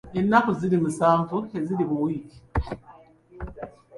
Ennaku ziri musanvu eziri mu wiiki.